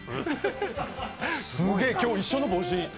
すげえ、今日、一緒の帽子。